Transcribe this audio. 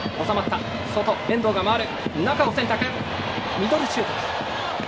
ミドルシュート。